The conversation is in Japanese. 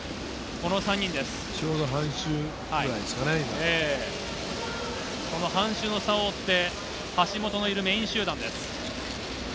この半周の差を追って、橋本のいるメイン集団です。